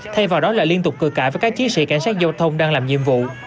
thay vào đó là liên tục cười cãi với các chiến sĩ cảnh sát giao thông đang làm nhiệm vụ